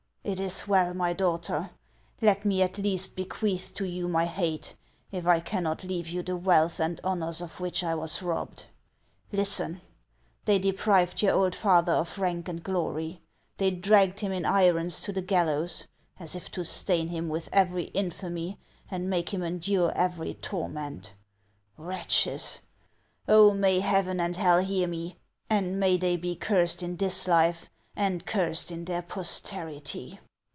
" It is well, my daughter ! Let me at least bequeath to you my hate, if I cannot leave you the wealth and honors of which I was robbed. Listen ! they deprived your old father of rank and glory ; they dragged him in irons to the gallows, as if to stain him with every infamy and make him endure every torment. Wretches ! Oh, may heaven and hell hear me, and may they be cursed in this life and cursed in their posterity